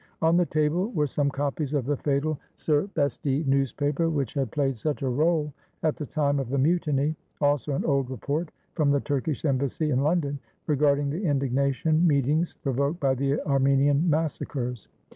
On the table were some copies of the fatal Serhesti news paper which had played such a role at the time of the mutiny; also an old report from the Turkish Embassy in London, regarding the indignation meetings provoked by the Armenian massacres.